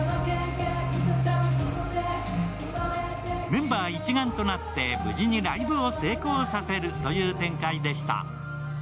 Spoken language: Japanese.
メンバー一丸となって無事にライブを成功させるという展開でした。